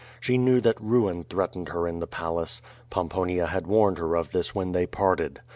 She knew that ruin threatened her in the palace. Pomponia had warned her of this when they parted.